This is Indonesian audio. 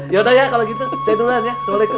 yaudah ya kalau gitu saya duluan ya